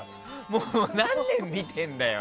もう何年見てんだよ！